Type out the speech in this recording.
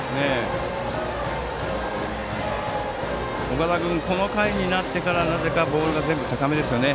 岡田君この回になってからなぜかボールが高めですよね。